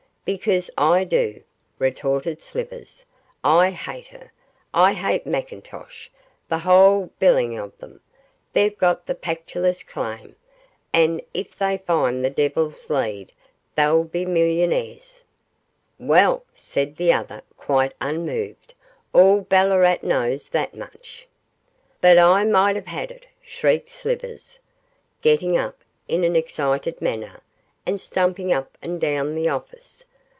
'Because I do,' retorted Slivers. 'I hate her; I hate McIntosh; the whole biling of them; they've got the Pactolus claim, and if they find the Devil's Lead they'll be millionaires.' 'Well,' said the other, quite unmoved, 'all Ballarat knows that much.' 'But I might have had it!' shrieked Slivers, getting up in an excited manner, and stumping up and down the office.